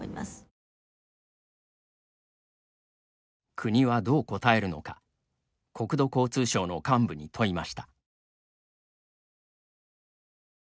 国はどう答えるのか国土交通省の幹部に問いました。